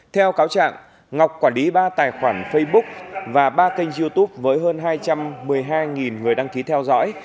theo cáo trạng ngọc quản lý ba tài khoản facebook và ba kênh youtube với hơn hai trăm một mươi hai người đăng ký theo dõi